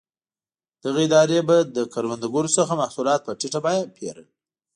دغې ادارې به له کروندګرو څخه محصولات په ټیټه بیه پېرل.